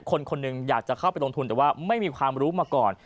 คนหนึ่งอยากจะเข้าไปลงทุนแต่ว่าไม่มีความรู้มาก่อน